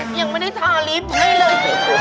ยังไม่ได้ทาลิฟต์ให้เลย